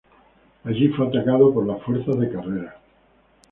Allí fue atacado por las fuerzas de Carrera.